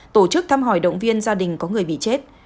tổ chức thăm hỏi động viên gia đình có người bị chết